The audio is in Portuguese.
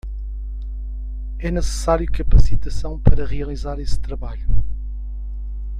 É necessário capacitação para realizar esse trabalho.